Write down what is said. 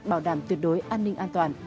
bảo đảm tuyệt đối an ninh an toàn